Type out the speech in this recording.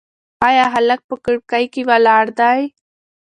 ایا هلک په کړکۍ کې ولاړ دی؟